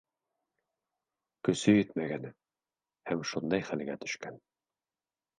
Көсө етмәгән һәм шундай хәлгә төшкән.